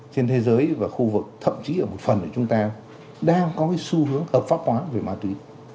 trên thế giới và khu vực thậm chí ở một phần chúng ta đang có cái xu hướng hợp pháp hóa về ma túy